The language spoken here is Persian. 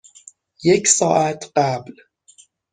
یک ساعت قبل.